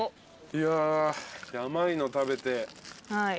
いや甘いの食べて。